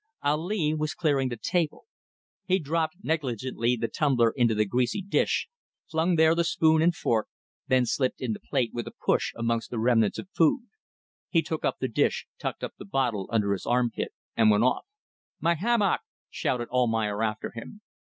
Ali was clearing the table. He dropped negligently the tumbler into the greasy dish, flung there the spoon and fork, then slipped in the plate with a push amongst the remnants of food. He took up the dish, tucked up the bottle under his armpit, and went off. "My hammock!" shouted Almayer after him.